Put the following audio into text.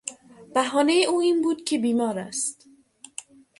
بهانهی او این بود که بیمار است.